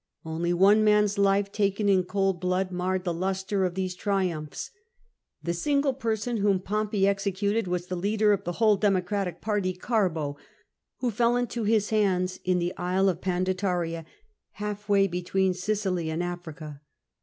Only one man's life taken in cold blood marred the lustre of these triumphs. The single person whom Pompey executed was the leader of the whole Democratic party, Garbo, who fell into his hands in the isle of Pandataria, half way between Sicily and Africa.